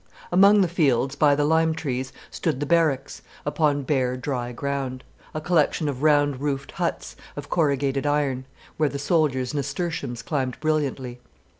Among the fields by the lime trees stood the barracks, upon bare, dry ground, a collection of round roofed huts of corrugated iron, where the soldiers' nasturtiums climbed brilliantly.